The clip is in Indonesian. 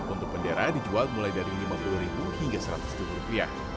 untuk bendera dijual mulai dari lima puluh hingga seratus rupiah